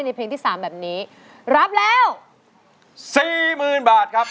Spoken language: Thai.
เพลงที่๓แบบนี้รับแล้ว๔๐๐๐บาทครับ